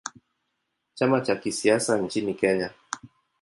Chama cha kisiasa nchini Kenya.